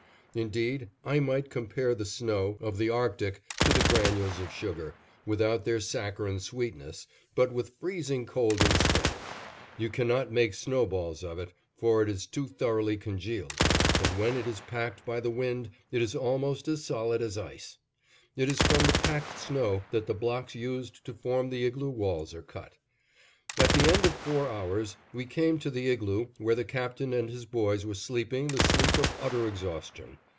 Indeed I might compare the snow of the Arctic to the granules of sugar, without their saccharine sweetness, but with freezing cold instead; you can not make snowballs of it, for it is too thoroughly congealed, and when it is packed by the wind it is almost as solid as ice. It is from the packed snow that the blocks used to form the igloo walls are cut. At the end of four hours, we came to the igloo where the Captain and his boys were sleeping the sleep of utter exhaustion.